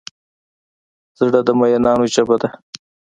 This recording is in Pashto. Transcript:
زړه د مینانو ژبه ده.